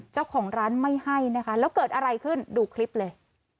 เจ้าของร้านไม่ให้นะคะแล้วเกิดอะไรขึ้นดูคลิปเลย